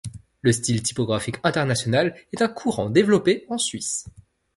Le style typographique international est un courant développé en Suisse.